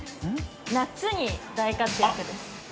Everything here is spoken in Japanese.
◆夏に大活躍です。